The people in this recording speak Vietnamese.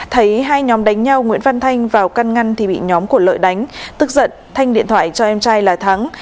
thấy hai nhóm đánh nhau nguyễn văn thanh vào căn ngăn thì bị nhóm của lợi đánh tức giận thanh điện thoại cho em trai là thắng